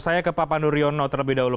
saya ke pak pandu riono terlebih dahulu